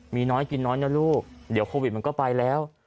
มีน้อยกินน้อยนะลูกเดี๋ยวโควิดมันก็ไปแล้ว